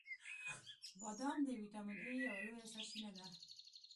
• بادام د ویټامین ای یوه لویه سرچینه ده.